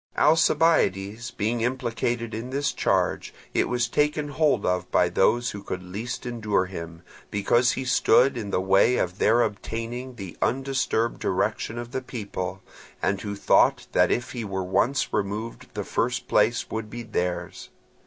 Alcibiades being implicated in this charge, it was taken hold of by those who could least endure him, because he stood in the way of their obtaining the undisturbed direction of the people, and who thought that if he were once removed the first place would be theirs.